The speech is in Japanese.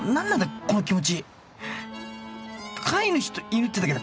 この気持ち